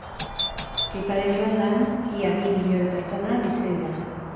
Ipar Irlandan ia bi milioi pertsona bizi dira.